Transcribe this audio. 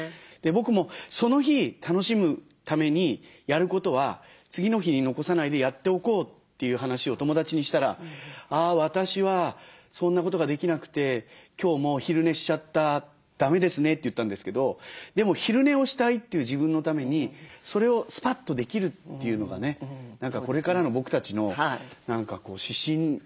僕もその日楽しむためにやることは次の日に残さないでやっておこうという話を友達にしたら「あ私はそんなことができなくて今日も昼寝しちゃった。だめですね」って言ったんですけどでも昼寝をしたいという自分のためにそれをスパッとできるというのがね何かこれからの僕たちの指針ですね。